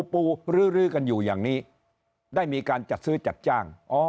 ปูลื้อกันอยู่อย่างนี้ได้มีการจัดซื้อจัดจ้าง